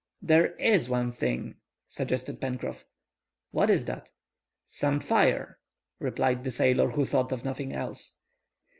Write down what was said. "There is one thing," suggested Pencroff. "What is that?" "Some fire," replied the sailor, who thought of nothing else.